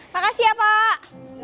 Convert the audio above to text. makasih ya pak